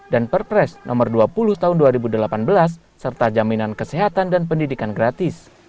dan perpres no dua puluh tahun dua ribu delapan belas serta jaminan kesehatan dan pendidikan gratis